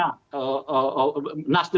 nasdem sudah keluar